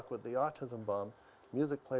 yang sepertinya memahami saya